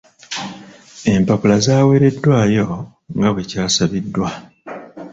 Empapula zaweeredwayo nga bwe kyasabiddwa.